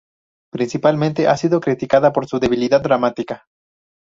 Principalmente ha sido criticada por su debilidad dramática.